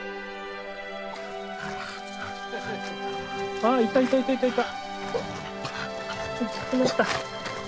ああいたいたいたいたいた。